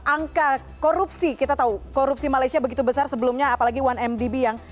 angka korupsi kita tahu korupsi malaysia begitu besar sebelumnya apalagi satu mdb yang